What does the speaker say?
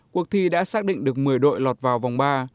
cuộc thi đã xác định được một mươi đội lọt vào vòng ba